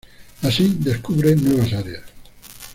Así descubre nuevas áreas.